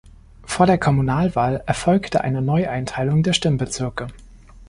Vor der Kommunalwahl erfolgte eine Neueinteilung der Stimmbezirke.